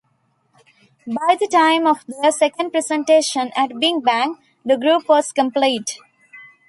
By the time of their second presentation, at Big Bang, the group was complete.